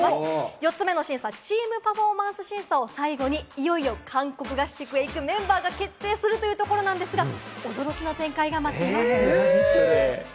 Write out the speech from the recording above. ４つ目の審査、チーム・パフォーマンス審査を最後にいよいよ韓国合宿へ行くメンバーが決定するというところなんですが、え！